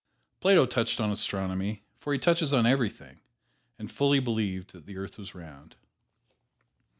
Plato touched on Astronomy, for he touches on everything, and fully believed that the earth was round.